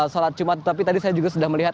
sholat jumat tapi tadi saya juga sudah melihat